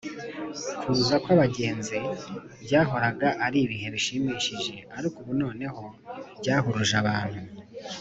kuza kw’abagenzi byahoraga ari ibihe bishimishije, ariko ubu noneho byahuruje abantu